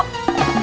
aku mau ke rumah